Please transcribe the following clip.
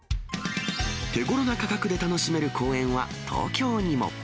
手ごろな価格で楽しめる公園は東京にも。